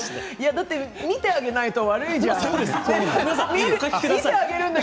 見てあげないと悪いじゃん！